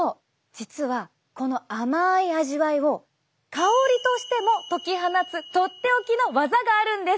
実はこの甘い味わいを香りとしても解き放つとっておきのワザがあるんです！